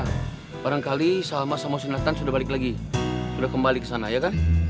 sekarang kali salma sama sinatan sudah balik lagi sudah kembali ke sana ya kan